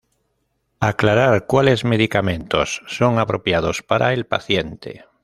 Aclarar cuales medicamentos son apropiados para el paciente.